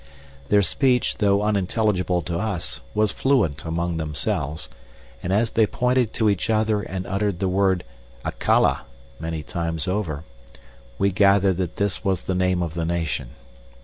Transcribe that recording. Their speech, though unintelligible to us, was fluent among themselves, and as they pointed to each other and uttered the word "Accala" many times over, we gathered that this was the name of the nation.